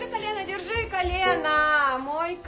もう一回。